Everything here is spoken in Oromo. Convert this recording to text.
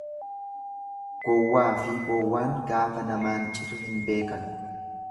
Gowwaafi bowwaan gaafa namaan citu hin beekan.